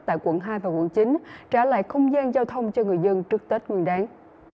tại quận hai và quận chín trả lại không gian giao thông cho người dân trước tết nguyên đáng